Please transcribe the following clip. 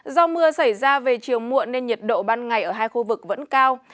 do mưa xảy ra về chiều muộn nên nhiệt độ ban ngày ở hai khu vực vẫn cao